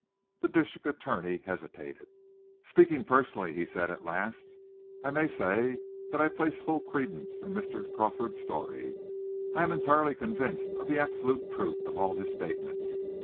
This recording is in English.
The district attorney hesitated. "Speaking personally," he said, at last, "I may say that I place full credence in Mr. Crawford's story. I am entirely convinced of the absolute truth of all his statements.